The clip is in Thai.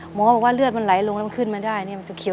หมอบอกว่าเลือดมันไหลลงแล้วมันขึ้นมาได้เนี่ยมันจะเขียว